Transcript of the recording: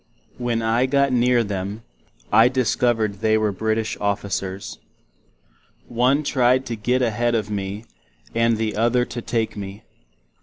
When I got near them, I discovered they were British officer. One tryed to git a head of Me, and the other to take me.